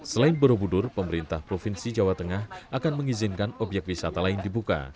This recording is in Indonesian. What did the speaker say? selain borobudur pemerintah provinsi jawa tengah akan mengizinkan obyek wisata lain dibuka